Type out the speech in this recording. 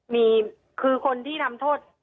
มีคือคนที่ทำโทษ